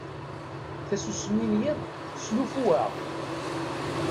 Tasusmi n yiḍ teslufu-aɣ.